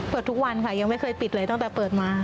เปิดทุกวันค่ะยังไม่เคยปิดเลยตั้งแต่เปิดมา